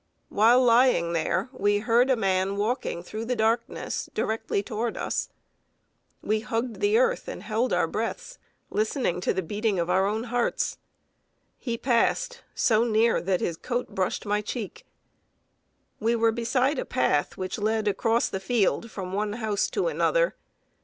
While lying there, we heard a man walking through the darkness directly toward us. We hugged the earth and held our breaths, listening to the beating of our own hearts. He passed so near, that his coat brushed my cheek. We were beside a path which led across the field from one house to another.